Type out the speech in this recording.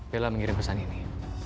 bella mengirim pesan ini